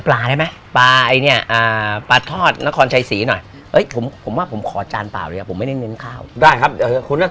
เพราะความจริงชะมัด